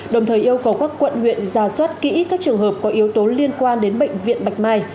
đồng thời yêu cầu các quận huyện ra soát kỹ các trường hợp có yếu tố liên quan đến bệnh viện bạch mai